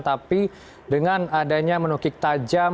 tapi dengan adanya menukik tajam